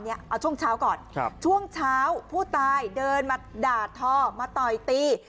เอาช่วงเช้าก่อนช่วงเช้าผู้ตายเดินมาด่าทอมาต่อยตี